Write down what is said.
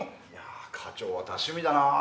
課長は多趣味だな。